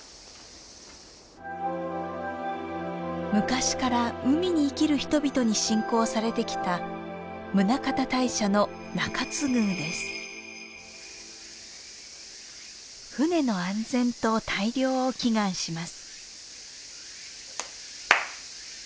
昔から海に生きる人々に信仰されてきた船の安全と大漁を祈願します。